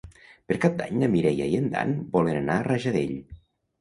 Per Cap d'Any na Mireia i en Dan volen anar a Rajadell.